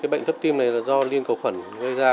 bệnh thấp tim này là do liên cầu khuẩn gây ra